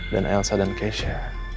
dan elsa dan keisha